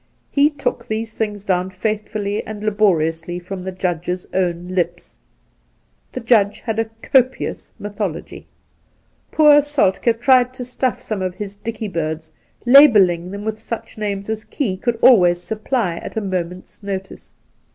He took these things down faithfully and laboriously from the Judge's own lips. The Judge had a copious mythology. Poor Soltk^ tried to stuff some of his dicky birds, labelling them with such names as Key could always supply at a moment's notice.